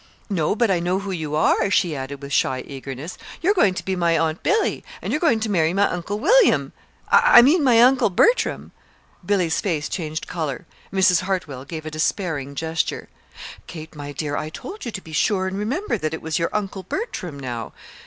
"No; but I know who you are," she added, with shy eagerness. "You're going to be my Aunt Billy, and you're going to marry my Uncle William I mean, my Uncle Bertram." Billy's face changed color. Mrs. Hartwell gave a despairing gesture. "Kate, my dear, I told you to be sure and remember that it was your Uncle Bertram now.